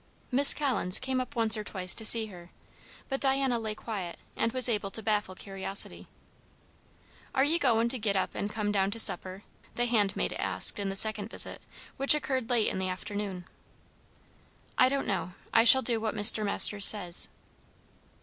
Miss Collins came up once or twice to see her, but Diana lay quiet, and was able to baffle curiosity. "Are ye goin' to git up and come down to supper?" the handmaid asked in the second visit, which occurred late in the afternoon. "I don't know. I shall do what Mr. Masters says."